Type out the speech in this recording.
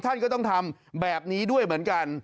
ท่านก็ต้องทำแบบนี้ด้วยเหมือนกัน